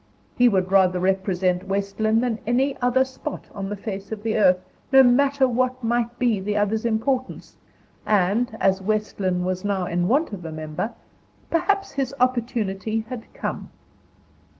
He would rather represent West Lynne than any other spot on the face of the earth, no matter what might be the other's importance; and, as West Lynne was now in want of a member, perhaps his opportunity had come.